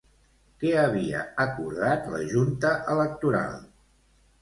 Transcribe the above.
Què havia acordat la Junta Electoral?